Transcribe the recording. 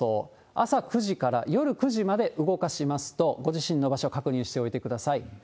朝９時から夜９時まで動かしますと、ご自身の場所確認しておいてください。